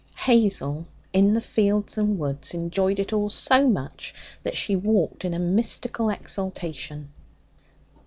Hazel, in the fields and woods, enjoyed it all so much that she walked in a mystical exaltation.